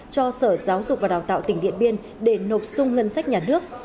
cho sở giáo dục và đào tạo tỉnh điện biên để nộp sung ngân sách nhà nước